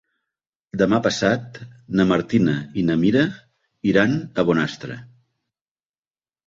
Demà passat na Martina i na Mira iran a Bonastre.